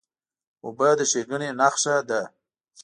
اوبه د ښېګڼې نښه ده.